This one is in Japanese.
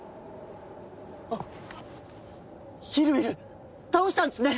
あっヒルビル倒したんすね！